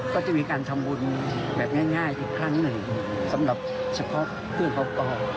ก็จะมีการทำบุญแบบง่ายอีกครั้งหนึ่งสำหรับเฉพาะเพื่อนเขาก่อน